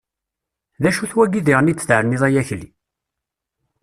D acu-t wagi diɣen i d-terniḍ ay Akli?